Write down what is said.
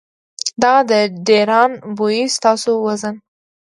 دغه د ډېران بوئي ستاسو وزن ،